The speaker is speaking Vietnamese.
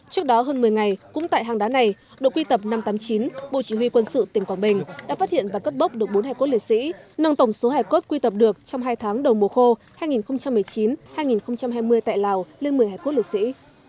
trước đó hơn một mươi ngày cũng tại hang đá này đội quy tập năm trăm tám mươi chín bộ chỉ huy quân sự tỉnh quảng bình đã phát hiện và cất bốc được bốn hải cốt liệt sĩ nâng tổng số hải cốt quy tập được trong hai tháng đầu mùa khô hai nghìn một mươi chín hai nghìn hai mươi tại lào lên một mươi hải cốt liệt sĩ